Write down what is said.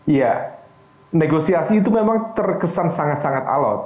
iya negosiasi itu memang terkesan sangat sangat alot